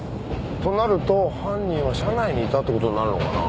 となると犯人は車内にいたってことになるのかなぁ？